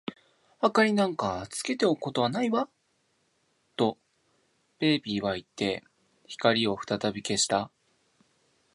「明りなんかつけておくことはないわ」と、ペーピーはいって、光をふたたび消した。